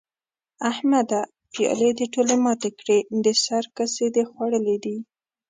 احمده؛ پيالې دې ټولې ماتې کړې؛ د سر کسي دې خوړلي دي؟!